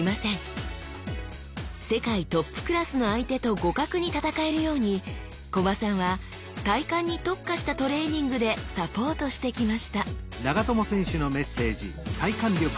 世界トップクラスの相手と互角に戦えるように木場さんは体幹に特化したトレーニングでサポートしてきましたいや